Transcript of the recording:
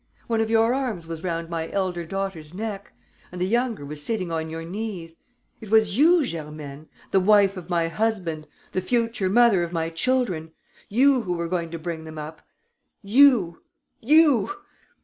One of your arms was round my elder daughter's neck; and the younger was sitting on your knees.... It was you, Germaine, the wife of my husband, the future mother of my children, you, who were going to bring them up ... you, you!